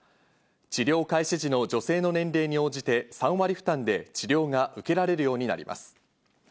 治療開始時の女性の年齢に応じて３割負担で治療が受けられるようになります。